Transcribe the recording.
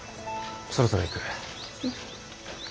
そろそろ行く。